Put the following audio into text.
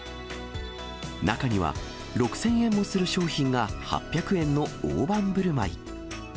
中には、６０００円もする商品が８００円の大盤ぶるまい。